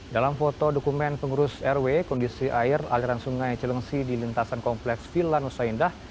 dalam foto dokumen pengurus rw kondisi air aliran sungai cilengsi di lintasan kompleks villa nusa indah